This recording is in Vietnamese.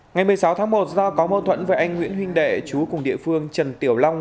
ngày một mươi sáu tháng một do có mâu thuẫn với anh nguyễn huỳnh đệ chú cùng địa phương trần tiểu long